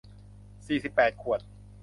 สี่สิบแปดขวด